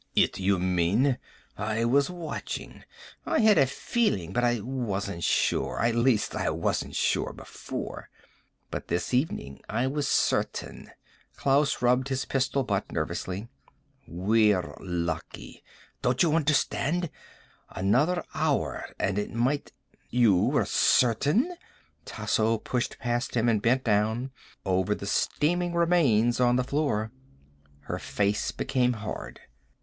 It, you mean. I was watching. I had a feeling, but I wasn't sure. At least, I wasn't sure before. But this evening I was certain." Klaus rubbed his pistol butt nervously. "We're lucky. Don't you understand? Another hour and it might " "You were certain?" Tasso pushed past him and bent down, over the steaming remains on the floor. Her face became hard.